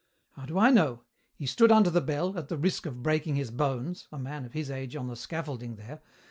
"How do I know? He stood under the bell, at the risk of breaking his bones a man of his age on the scaffolding there!